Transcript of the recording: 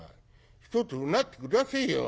ひとつうなって下せえよ」。